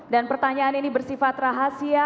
dan pertanyaan ini bersifat rahasia